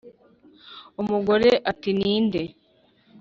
umugore ati “ni nde?